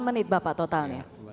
delapan menit bapak totalnya